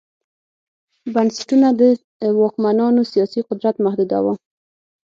بنسټونه د واکمنانو سیاسي قدرت محدوداوه